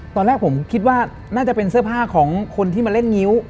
ตอนแรกผมคิดว่าน่าจะเป็นเสื้อผ้าของคนที่มาเล่นงิ้ว